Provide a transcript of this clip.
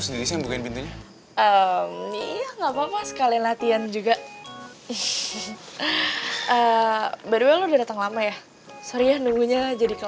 yang nunggu tuh enough